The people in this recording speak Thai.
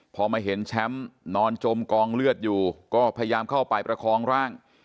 พอมาเห็นแชมป์นอนจมกองเลือดอยู่ก็พยายามเข้าไปประคองร่าง